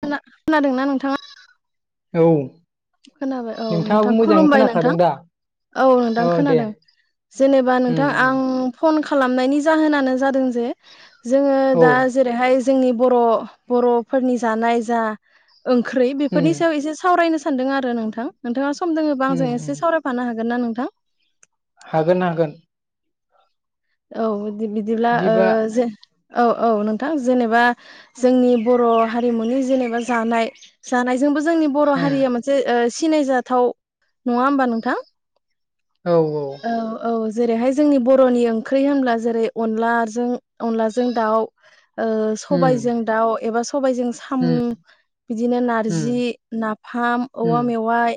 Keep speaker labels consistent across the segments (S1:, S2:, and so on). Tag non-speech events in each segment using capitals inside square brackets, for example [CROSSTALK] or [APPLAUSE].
S1: खोना खोनादोंना नोंथाङा
S2: औ
S1: खोनाबाय औ
S2: नोंथाङाबो
S1: नोंथां
S2: मोजाङै
S1: खुलुमबाय नोंथां
S2: खोनाखादों दा
S1: औ नोंथां खोनादों जेनेबा
S2: उम
S1: नोंथां
S2: उम
S1: आं फन खालामनायनि जाहोनानो जादों जे जोङो
S2: औ
S1: दा जेरैहाय जोंनि बर' बर'फोरनि जानाय जा ओंख्रि
S2: उम
S1: बेफोरनि सायाव एसे सावरायनो सानदों आरो नोंथां नोंथाङा सम दोङोबा
S2: उम
S1: आंजों एसे
S2: उम
S1: सावरायफानो हागोन ना नोंथां
S2: हागोन हागोन।
S1: औ बिदिब्ला
S2: बिदिबा
S1: जे औ औ नोंथां जेनेबा जोंनि बर' हारिमुनि जेनेबा जानाय जानायजोंबो जोंनि बर' हारिया मोनसे सिनायजाथाव नङा होमबा नोंथां?
S2: औ औ
S1: जेरैहाय जोंनि बर'नि ओंख्रि होनब्ला जेरै अनलाजों अनलाजों दाउ
S2: उम
S1: सबायजों दाउ एबा सबायजों साम'
S2: उम
S1: बिदिनो
S2: उम
S1: नारजि नाफाम
S2: उम
S1: औवा मेवाइ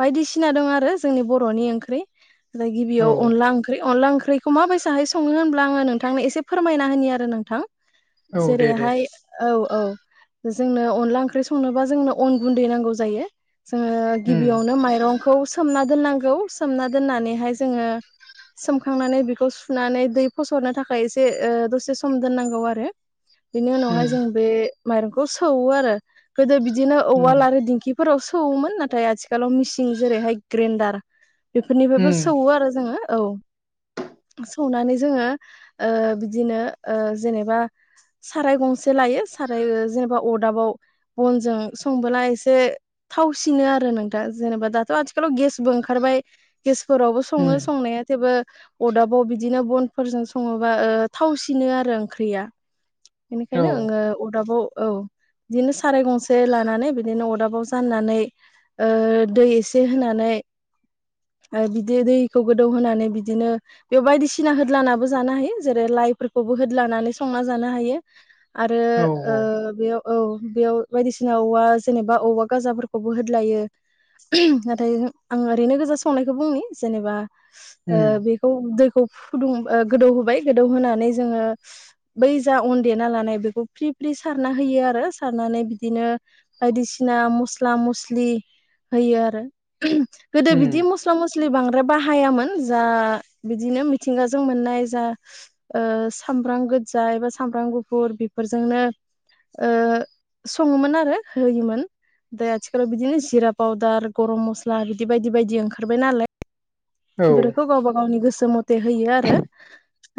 S1: बायदिसिना दं आरो जोंनि बर'नि ओंख्रि ओमफ्राय
S2: औ
S1: गिबियाव अनला ओंख्रि अनला ओंख्रि ओंख्रिखौ माबायसाहै सङो होनब्ला आङो नोंथांनो एसे फोरमायना होनो आरो नोंथां।
S2: औ दे दे
S1: जेरैहाय औ औ जोंनो अनला ओंख्रि संनोबा जोंनो अन गुन्दै नांगौ जायो। जोङो
S2: उम
S1: गिबियावनो माइरंखौ सोमना सोमना दोननांगौ सोमना दोननानैहाय जोंङो सु सुनानै दै फसरनो थाखाय एसे दसे सम दोननांगौ आरो बेनि
S2: उम
S1: उनावहाय जों बे माइरंखौ सौवो आरो गोदो बिदिनो
S2: उम
S1: उवाल आरो दिंखि फोराव सौवोमोन नाथाय आथिखालाव मिसिं जेरैहाय ग्रेन्डार बेफोरनिफ्रायबो
S2: उम
S1: सौवो आरो जोङो औ सौनानै जोङो बिदिनो जेनेबा साराय गंसे लायो साराय जेनेबा अदाबाव बनजों संबोला एसे थावसिनो आरो नोंथा जेनेबा दाथ' आथिखालाव गेसबो ओंखारबाय गेस फोरावबो
S2: उम
S1: सङो संनाया थेवबो अदाबाव बिदिनो बनफोरजों सङोबा थावसिनो आरो ओंख्रिया।
S2: औ
S1: बेनिखायनो आङो अदाबाव औ बिदिनो साराय गंसे लानानै बिदिनो अदाबाव जाननानै दै एसे होनानै आरो बिदि दैखौ गोदौ होनानै बिदिनो बेयाव बायदिसिना होद्लानाबो जानो हायो जेरै लाइफोरखौबो होद्लानानै संना जानो हायो। आरो
S2: औ औ
S1: बेयाव औ बेयाव बायदिसिना औवा जेनेबा औवा गाजाफोरखौबो होदलायो। नाथाय आं ओरैनो गोजा संनायखौ बुंनि जेनेबा
S2: उम
S1: बे दैखौ फुदुं गोदौ होबाय गोदौ होनोनानै जोङो बै जा अन देना लानाय बेखौ फ्रि फ्रि सारना होयो आरो सारनानै बिदिनो बायदिसिना मस्ला मस्लि होयो आरो गोदो
S2: उम
S1: बिदि मस्ला मस्लि बांद्राय बाहायामोन जा बिदिनो मिथिंगाजों मोननाय जा सामब्राम गोजा एबा सामब्राम गुफुर फोरजोंनो सङोमोन आरो होयोमोन। ओमफ्राय आथिखालाव बिदिनो जिरा पाउदार गरम मस्ला बिदि बायदि बायदि ओंखारबाय नालाय
S2: औ
S1: बेफोरखौ गावबा गावनि गोसो मथे होयो आरो।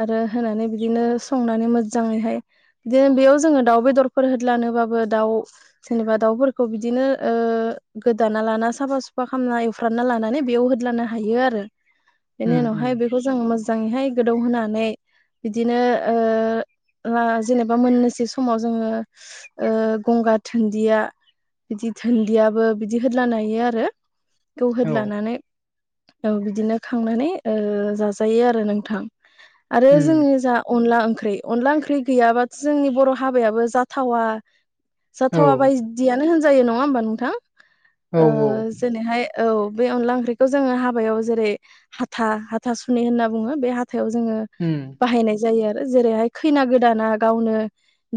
S1: आरो होनानै बिदिनो संनानै मोजाङैहाय बिदिनो बेयाव जोङो दाउ बेदरफोर हो लानोबा जबा दाउफोरखौ बिदिनो गोदाना लाना साफा सुफा खालामना लानानै बेयाव होद्लानो हायो आरो बेनि
S2: उम उम
S1: उनावहाय बे मो जों मोजाङैहाय गोदौ होनोनानै बिदिनो ओ जेनेबा मोननैसो समाव जोङो गंगार दोनदिया बिदि धोनदियाबो बिदि होदलानो आरो
S2: औ
S1: होदलानानै बिदिनो खांनानै जाजायो आरो नोंथां। आरो
S2: उम
S1: जोङो जा अनला ओं ओंख्रि अनला ओंख्रि गैयाबाथ' जोंनि बर' हाबायाबो जाथावा।
S2: औ
S1: जाथावा बायदियानो होनजायो नङा होमबा नोंथां?
S2: औ औ
S1: जेनैहाय औ बे अनला ओंख्रिखौ जोङो हाबायाव जेरै हाथा हाथा सुनि होनना बुङो बे हाथा हाथायाव जोङो
S2: उम
S1: बाहायनाय जायो आरो जेरैहाय खैना गोदाना गावनो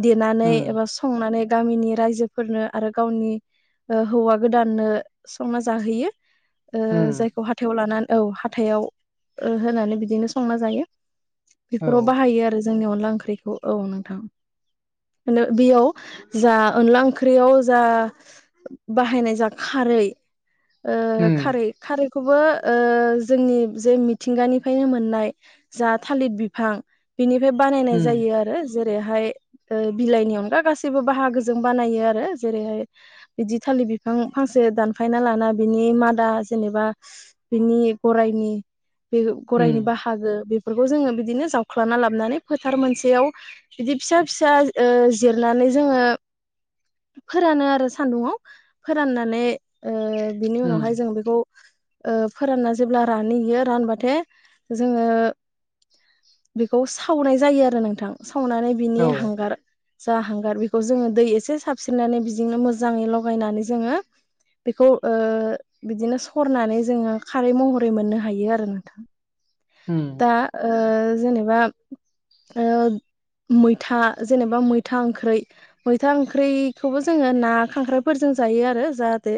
S1: देनानै
S2: उम
S1: एबा संनानै गामिनि रायजोफोरनो आरो गावनि ओ हौवा गोदाननो संना जाहैयो ओ
S2: उम
S1: जायखौ हाथायाव लानानै औ हाथायाव ओ होनानै बिदिनो संना जायो
S2: औ
S1: बेफोराव बाहायो आरो जोंनि अनला ओंख्रिखौ औ नोंथां लो बेयाव जा अनला ओंख्रियाव जा बाहायनाय जा खा रै ओ
S2: उम
S1: खारै खारैखौबो ओ जोंनि जे मिथिंगानिफ्रायनो मोननाय जा थालिर बिफां बिनिफ्राय बानायनाय
S2: उम
S1: जायो आरो जेरैहाय ओ बिलाइनि अनगा गासिबो बाहागोजों बानायो आरो जेरैहाय बिदि था लि बिफां फांसे दानफायना लाना बिनि मादा जेनेबा बिनि गरायनि बे
S2: उम
S1: गराइनि बाहागो बे बेखौ जोङो बिदिनो जावख्लना लाबनानै फोथार मोनसेयाव बिदि फिसा फिसा ओ जिरनानै जोङो फोरानो आरो सान्दुं आव फोराननानै ओ बिनि
S2: उम
S1: उनावहाय जों बेखौ ओ फोरानना जेब्ला रानहैयो रानबाथाय जोङो बेखौ सावनाय जायो आरो नोंथां सावनानै बिनि
S2: औ
S1: हांगार जा हांगार बेखौ जोङो दै एसे साबस्रिनानै बिजोंनो मोजाङै लगायनानै जोङो बेखौ ओ बिदिनो सरनानै जोङो खारै महरै मोननो हायो आरो नोंथां
S2: उम
S1: दा ओ जेनेबा ओ मैथा जेनेबा मैथा ओंख्रै मैथा ओंख्रिखौबो जोङो ना खांख्राइफोरजों जायो आरो जाहाथे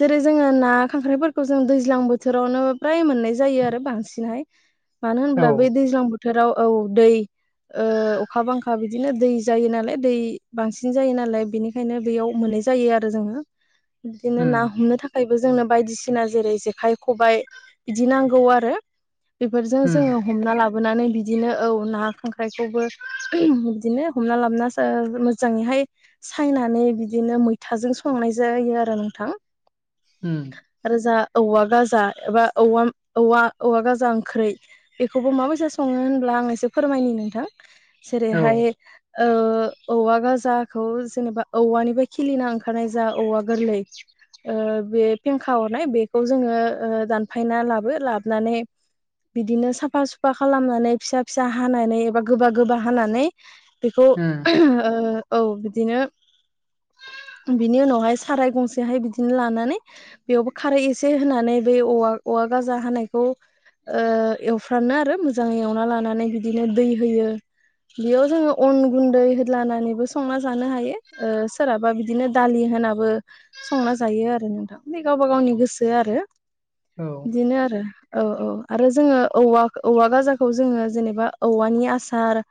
S1: जेरै जोङो ना खांख्रायफोरखौ जोङो दैज्लां बोथोरावनो फ्राय मोननाय जायो आरो बांसिनहाय मानो
S2: औ
S1: होनब्ला बै दैज्लां बोथोराव औ दै ओ अखा बांखा बिदिनो दै जायो नालाय दै बांसिन जायो नालाय बेनिखायनो दैयाव मोनो जायो आरो जोङो बिदिनो
S2: उम
S1: ना हमनो थाखाय जोंनो बायदिसिना जेरै जेखाय खबाय बिदि नांगौ आरो बेफोर
S2: उम
S1: जोङो हमना लाबो बोनानै बिदिनो औ ना खांख्रायखौबो ओम बिदिनो हमना लाबना जा मोजाङै हाय फ्राय सायनानै बिदिनो मैथाजों संनाय जायो आरो नोंथां
S2: उम
S1: रोजा औवा गाजा एबा औवा औवा औवा गाजा ओंख्रि बेखौबो माबायसा सङो होनब्ला आं एसे फोरमायनि नोंथां
S2: औ ओ
S1: जेरैहाय ओ ओ औवा गाजाखौ जेनेबा औवानिबो खिलिना ओंखारनाय जा औवा गोरलै ओ बे फेंखा हरनाय बेखौ जोङो ओ दानफायना लाबो लाबोनानै बिदिनो साफा सुफा खालामनानै फिसा फिसा हानानै एबा गोबा गोबा हानानै बेखौ ओम ओ औ बिदिनो बिनि उनावहाय साराय गंसेहाय बिदिनो लानानै बेयावबो खारै एसे होनानै बे औवा औवा गाजा हानायखौ ओ ऐव फ्रानो आरो मोजाङै एवना लानानै बिदिनो दै होयो बेयाव जोङो अन गुन्दै होलानानैबो संना जानो हायो ओ सोरहाबा बिदिनो दालि होनाबो संना जायो आरो नोंथां मानि गावबा गावनि गोसो आरो
S2: औ
S1: बिदिनो आरो औ औ आरो जोङो औवा औवा गाजाखौ जोङो जेनेबा औवानि आसार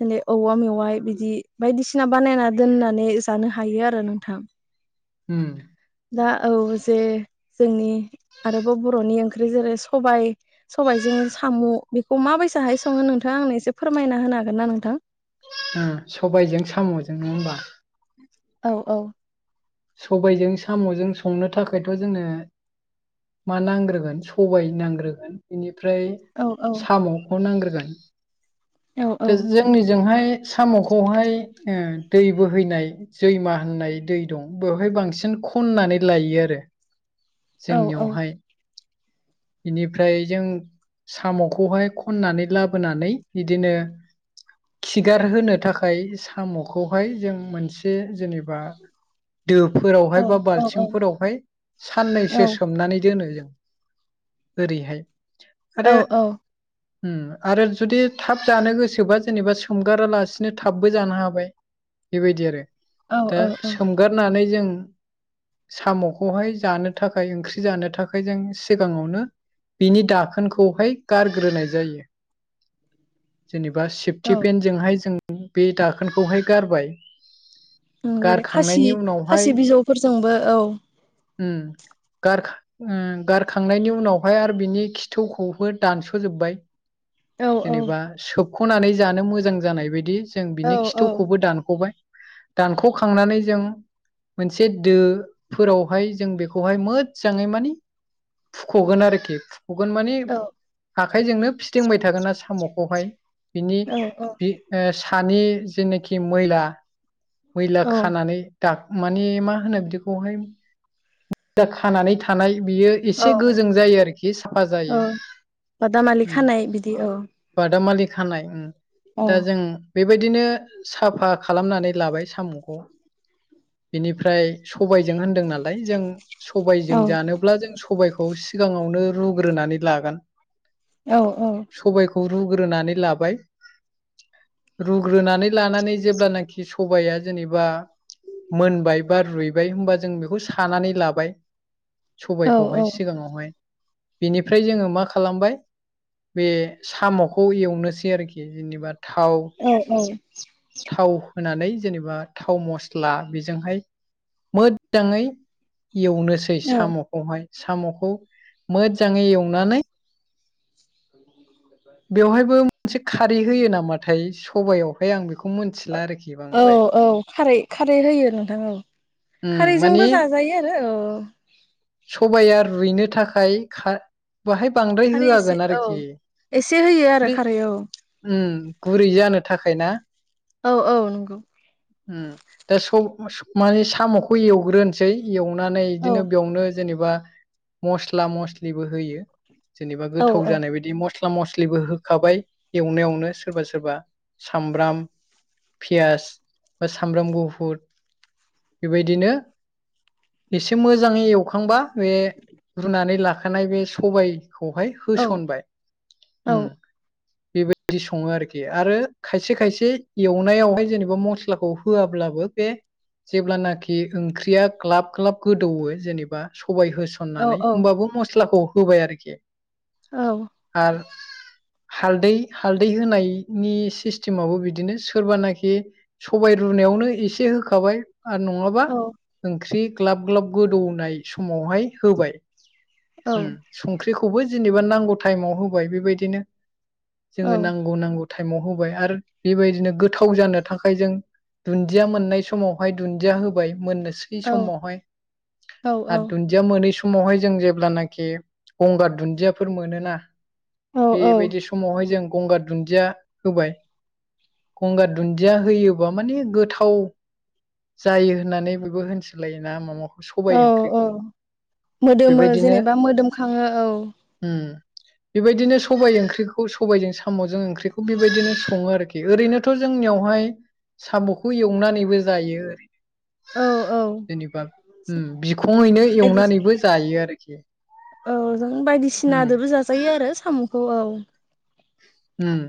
S1: जेरै औवा मेवाइ बिदि बायदिसिना बानायना दोननानै जानो हायो आरो नोंथां
S2: उम
S1: दा औ जे जोंनि आरोबाव बर'नि ओं जेरै सबाइ सबाइ जों साम' बेखौ माबायसाहाय सङो नोंथाङा आंनो एसे फोरमायना होनो हागोन ना नोंथां
S2: ओम सबायजों साम'जों नङा होमबा
S1: औ औ
S2: सबायजों साम'जों संनो थाखायथ' जोंनो मा नांग्रोगोन सबाय नांग्रोगोन बिनि फ्राय
S1: औ औ
S2: साम'खौ नांग्रोगोन
S1: औ औ
S2: ओ जोंनिजोंहाय साम'खौहाय ओ दै बोहैनाय जैमा होननाय दै दं बेवहाय बांसिन खननानै लायो आरो
S1: औ औ
S2: जोंनियावहाय बेनिफ्राय जों साम'खौहाय खननानै लाबोनानै बिदिनो
S1: [INAUDIBLE]
S2: खिगार होनो थाखाय साम'खौहाय जों मोनसे जेनेबा दोफोरावहाय बा
S1: औ औ
S2: बाल्थिंफोरावहाय साननैसो
S1: औ
S2: सोमनानै दोनो जों ओरैहाय
S1: औ
S2: आरो
S1: औ
S2: आरो जुदि थाब जानो गोसो सोबा जेनेबा सोमगारालासिनो थाबबो जानो हाबाय बेबायदि आरो
S1: औ
S2: दा
S1: औ
S2: सोमगारनानै जों साम'खौहाय जानो थाखाय ओंख्रि जानो थाखाय जों सिगाङावनो बिनि दाखोनखौहाय गारग्रोनाय जायो
S1: [INAUDIBLE]
S2: जेनेबा
S1: औ
S2: सेफटि पेन्जोंहाय जों बे दाखोनखौहाय गारबाय
S1: ओं जेरै खासि
S2: गारखांनायनि उनावहाय
S1: खासि बिजौफोरजोंबो औ
S2: उम गार उम गारखांनायनि उनावहाय आरो बिनि खिथौखौबो दानस'जोबबाय
S1: औ औ
S2: जेनेबा सोबख'नानै जानो मोजां जानाय बायदि जों
S1: औ
S2: बिनि खिथौखौबो दानख'बाय दानख'खांनानै जों मोनसे दोफोरावहाय जों बेखौहाय मोजाङै माने फुख'गोन आरोखि फुख'गोन माने आखाइजोंनो फिदिंबाय थागोन आरो साम'खौहाय बिनि
S1: औ
S2: ओ सानि जेनाखि मैला मैला
S1: औ
S2: खानानै दा माने मा होनो बिदिखौहाय मैला खानानै थानाय बियो एसे
S1: औ
S2: गोजों जायो आरोखि साफा जायो। उम
S1: बदामालिखानाय बिदि औ
S2: बादामालि खानाय ओं
S1: औ
S2: दा जों बेबायदिनो साफा खालामनानै लाबाय साम'खौ बेनिफ्राय सबायजों होनदों नालाय जों
S1: औ
S2: सबायजों जानोब्ला जों सबबायखौ सिगाङावनो रुग्रोनानै लागोन
S1: औ
S2: सबायखौ रुग्रोनानै लाबाय रुग्रोनानै लानानै जेब्लानाखि सबाइाया जेनेबा मोनबाय बा रुइबाय होनबा जों बेखौ सानानै लाबाय सबायखौहाय सिगाङावहाय बेनिफ्राय जोङो मा खालामबाय बे साम'खौ एवनो सै आरोखि जेनेबा थाव
S1: औ औ
S2: थाव होनानै जेनेबा थाव मस्ला बेजोंहाय मोजाङै एवनोसै साम'खौहाय साम'खौ मोजाङै एवनानै
S1: [INAUDIBLE]
S2: बेवहायबो मोनसे खारै होयो नामाथाय सबयावहाय आं बेखौ खौ मोनथिला आरोखि
S1: औ
S2: बांद्राय
S1: औ खारै खारै होयो नोंथां औ
S2: उम
S1: खारैजोंबो
S2: माने
S1: जाजायो आरो औ
S2: सबाया रुइनो थाखाय बाहाय बांद्राय
S1: खारै एसे
S2: होआगोन
S1: औ
S2: आरोखि
S1: एसे होयो आरो
S2: माने
S1: खारै औ
S2: उम गुरै जानो थाखाय ना
S1: औ औ नंगौ
S2: उम दा सब माने साम'खौ एवग्रोनोसै एवनानै
S1: औ
S2: बिदिनो बेयावनो जेनेबा मसला मसलिबो होयो जेनेबा
S1: औ
S2: गोथाव
S1: औ
S2: जानाय बायदि म मस्ला मस्लिबो होखाबाय एवनायावनो सोरबा सोरबा सामब्राम पियास बा सामब्राम गुफुर बेबायदिनो एसे मोजाङै एवखांबा बे रुनानै लाखानाय बे सबाय खौहाय
S1: औ
S2: होसनबाय
S1: औ
S2: उम बेबायदि सङो आरोखि आरो खायसे खायसे एवनायावहाय जेनेबा मस्लाखौ होआब्ला जेब्लानाखि ओंख्रिया ग्लाब ग्लाब गोदौवो जेनेबा बा सबाय होसननानै होमबाबो मस्लाखौ होबाय आरोखि
S1: औ
S2: आरो हालदै हालदै होनायनि सिस्टेमाबो बिदिनो सोरबानाखि सबाय रुनाय नायावनो एसे होखाबाय आरो नङाबा ओंख्रि ग्लाब ग्लाब गोदौनाय समावहाय होबाय उम
S1: औ-औ-औ-औ-औ-औ-औ-औ-औ-औ
S2: संख्रिखौबो जेनेबा नांगौ टाइमाव होबाय बेबायदिनो जोङो नांगौ नांगौ टाइमाव होबाय आरो बेबायदिनो गोथाव जानो थाखाय जों दुन्दिया मोननाय समावहाय दुन्दिया होबाय मोननोसै नो सै समावहाय आरो दुनदिया मोनै समावहाय जों जे जेब्लानाखि गंगार दुन्दियाफोर मोनोना बेबायदि समावहाय जों गंगार दुन्दिया होबाय गंगार दुन्दिया होयोबा माने गोथाव जायो होननानै बेबो होनसोलायोना माखौ सबाय ओंख्रिखौ
S1: मोदोमो
S2: बेबायदिनो
S1: जेनेबा मोदोमखाङो औ
S2: उम बेबायदिनो सबाइ ओंख्रिखौ सबायजों साम'जों ओंख्रिखौ बेबायदिनो सङो आरोखि ओरैनोथ' जों जोंनियावहाय साम'खौ एवनानैबो जायो आरो
S1: औ औ
S2: जेनेबा उम बिखंङैनो
S1: बायदिसिना
S2: एवनानैबो जायो आरोखि
S1: औ जों
S2: उम
S1: बायदिसिनादोबो जाजायो आरो साम'खौ औ
S2: उम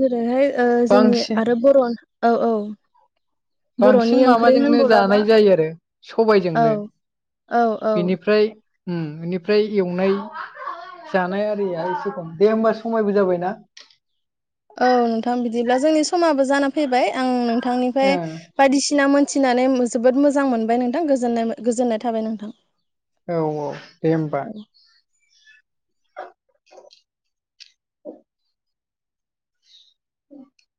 S1: जेरैहाय जोंनि
S2: बांसिन
S1: आरो बर'नो औ औ
S2: बांसिन
S1: बर'नि ओंख्रि
S2: माबाजोंनो
S1: होनबलाबा
S2: जानाय जायो आरो
S1: औ
S2: सबायजोंनो
S1: औ औ
S2: बेनिफ्राय बेनिफ्राय एवनाय जानाय आरिया एसे खम दे होमबा समायबो जाबायना
S1: औ नोंथां बिदिब्ला जोंनि समाबो जाना फैबाय आं
S2: ओ
S1: नोंथांनिफ्राय बायदिसिना मोन मिथिनानै जोबोद मोजां मोनबाय नोंथांनाय गोजोननाय थाबाय नोंथां
S2: औ औ दे होमबा
S1: औ
S2: [INAUDIBLE] औ